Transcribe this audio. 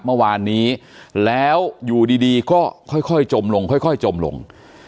เมื่อวานนี้แล้วอยู่ดีก็ค่อยจมลงค่อยจมลง